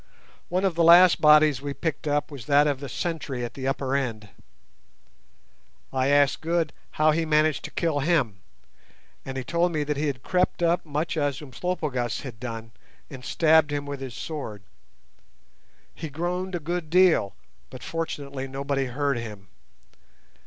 One of the last bodies we picked up was that of the sentry at the upper end. I asked Good how he managed to kill him, and he told me that he had crept up much as Umslopogaas had done, and stabbed him with his sword. He groaned a good deal, but fortunately nobody heard him.